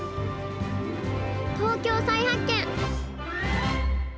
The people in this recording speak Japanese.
「＃東京再発見」！